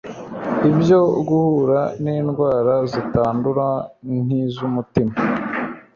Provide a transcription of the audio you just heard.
ibyo guhura n'indwara zitandura nk'iz'umutima